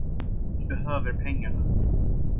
Vi behöver pengarna.